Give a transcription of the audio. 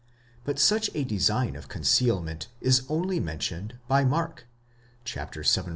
But such a design of con cealment is only mentioned by Mark (vii.